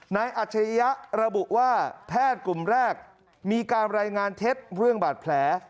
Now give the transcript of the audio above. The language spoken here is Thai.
อัจฉริยะระบุว่าแพทย์กลุ่มแรกมีการรายงานเท็จเรื่องบาดแผล